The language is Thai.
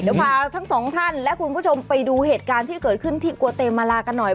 เดี๋ยวพาทั้งสองท่านและคุณผู้ชมไปดูเหตุการณ์ที่เกิดขึ้นที่กัวเตมาลากันหน่อย